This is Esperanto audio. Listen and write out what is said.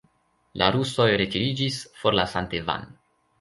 La rusoj retiriĝis, forlasante Van.